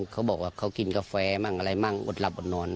เขาบอกว่าเขากินกาแฟมั่งอะไรมั่งอดหลับอดนอน